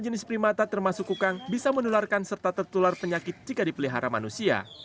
jenis primata termasuk kukang bisa menularkan serta tertular penyakit jika dipelihara manusia